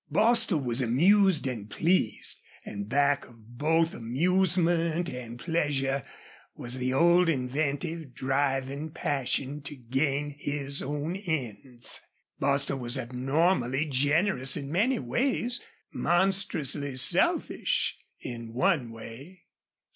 Bostil was amused and pleased, and back of both amusement and pleasure was the old inventive, driving passion to gain his own ends. Bostil was abnormally generous in many ways; monstrously selfish in one way.